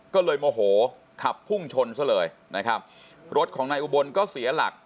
ก็เลยโมโหขับพุ่งชนซะเลยนะครับรถของนายอุบลก็เสียหลัก